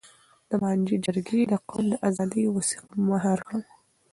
د مانجې جرګې د قوم د آزادۍ وثیقه مهر کړه.